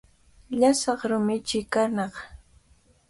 Llasaq rumichi kanaq.